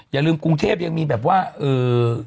อย่าลืมกรุงเทพยังมีแบบว่าเอ่อ